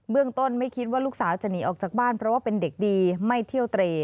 เรื่องต้นไม่คิดว่าลูกสาวจะหนีออกจากบ้านเพราะว่าเป็นเด็กดีไม่เที่ยวเตร